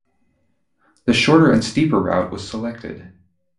The shorter and steeper route was selected.